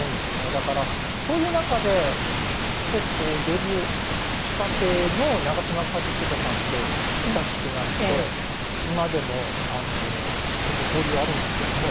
だからそういう中で結構デビューしたての長嶋一茂さんと親しくなって今でも結構交流あるんですけども。